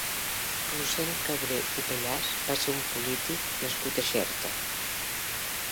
Rossend Cabré i Pallàs va ser un polític nascut a Xerta.